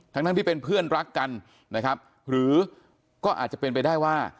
ทั้งทั้งที่เป็นเพื่อนรักกันนะครับหรือก็อาจจะเป็นไปได้ว่า